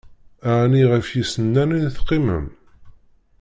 Ɛni, ɣef yisennanen i teqqimem?